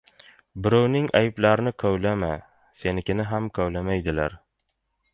• Birovning ayblarini kovlama, senikini ham kovlamaydilar.